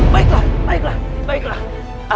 baiklah baiklah baiklah